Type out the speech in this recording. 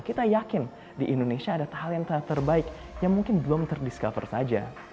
kita yakin di indonesia ada talenta terbaik yang mungkin belum terdiscover saja